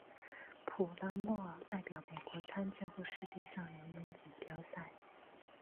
普拉默代表美国参加过世界游泳锦标赛。